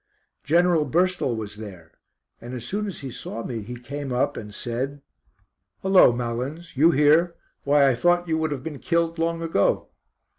General Burstall was there, and as soon as he saw me he came up and said: "Hullo, Malins, you here? Why I thought you would have been killed long ago."